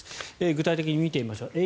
具体的に見てみましょう。